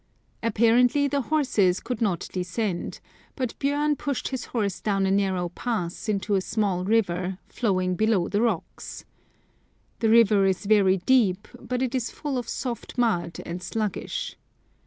Ap parently, the horses could not descend ; but Bjorn pushed his hor3e down a narrow pass, into a small river, flowing below the rocks. The river is very deep, but is full of soft mud, and sluggish.